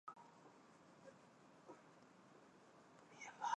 担任阜阳师范学院外国语学院副院长。